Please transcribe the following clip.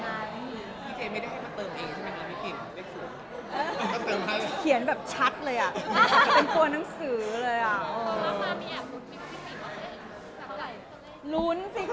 ๗๓คมสิคะดูกี่ศูนย์เนี่ยรับนับฉลุกเขาว่าหน่วยสิบร้อยพันหุ่นแสน